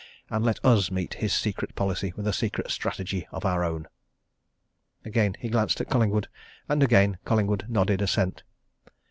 And let us meet his secret policy with a secret strategy of our own!" Again he glanced at Collingwood, and again Collingwood nodded assent.